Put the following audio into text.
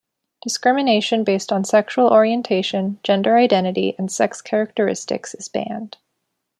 Discrimination based on sexual orientation, gender identity and sex characteristics is banned.